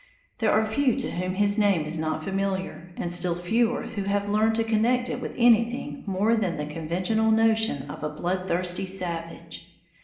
There are few to whom his name is not familiar, and still fewer who have learned to connect it with anything more than the conventional notion of a bloodthirsty savage.